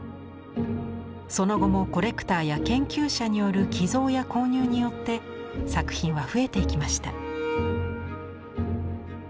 その後もコレクターや研究者による寄贈や購入によって作品は増えていきました。